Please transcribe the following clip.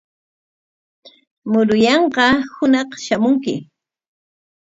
Muruyanqaa hunaq shamunki.